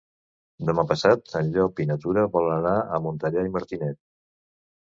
Demà passat en Llop i na Tura volen anar a Montellà i Martinet.